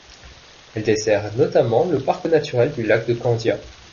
Elle dessert notamment le parc naturel du lac de Candia.